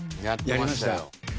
やりました。